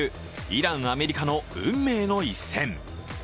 イラン×アメリカの運命の一戦。